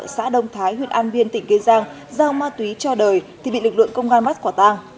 xã đông thái huyện an biên tỉnh gây giang giao ma túy cho đời thì bị lực lượng công an bắt quả tang